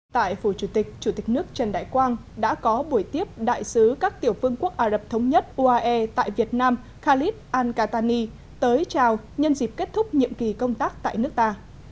tại phủ chủ tịch chủ tịch nước trần đại quang đã có buổi tiếp đại sứ các tiểu phương quốc ả rập thống nhất uae tại việt nam khalid ankatani tới chào nhân dịp kết thúc nhiệm kỳ công tác tại nước ta